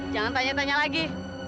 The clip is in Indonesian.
jangan tanya tanya lagi